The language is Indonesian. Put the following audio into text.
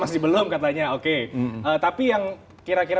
masih belum katanya oke tapi yang kira kira